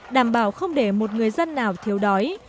đảm bảo không để một người dân nào thiếu đói